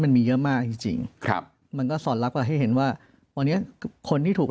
มันมีเยอะมากจริงครับมันก็สอนลักษณ์ให้เห็นว่าคนที่ถูก